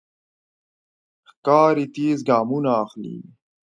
ښکاري تېز ګامونه اخلي.